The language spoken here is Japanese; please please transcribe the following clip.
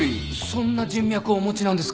そんな人脈をお持ちなんですか？